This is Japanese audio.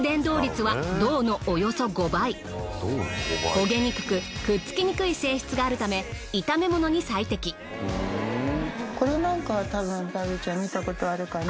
焦げにくくくっつきにくい性質があるためこれなんかはたぶんバービーちゃん見たことあるかな？